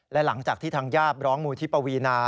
และหลังจากที่ทางญาติร้องมูลที่ปวีนา